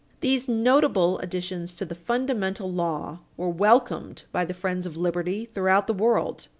These notable additions to the fundamental law were welcomed by the friends of liberty throughout the world.